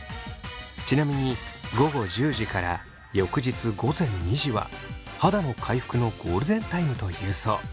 ちなみに午後１０時から翌日午前２時は肌の回復のゴールデンタイムというそう。